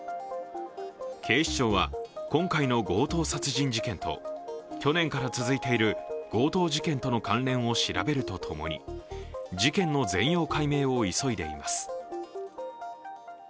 警視庁は、今回の強盗殺人事件と去年から続いている強盗事件との関連を調べるとともに事件の全容解明を急いでいます。